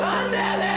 ねえ！